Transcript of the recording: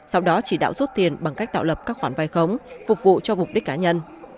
sau đó chỉ đạo rút tiền bằng cách tạo lập các khoản vai khống phục vụ cho mục đích cá nhân